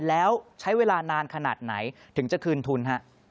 แล้วใช้เวลานานขนาดไหนถึงจะคืนทุนฮะ